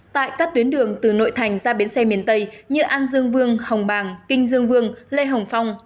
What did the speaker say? tại các tuyến đường từ nội thành ra bến xe miền tây như an dương vương hồng bàng kinh dương vương lê hồng phong